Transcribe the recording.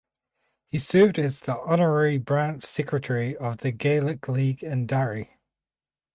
He served as the honorary branch secretary of the Gaelic League in Derry.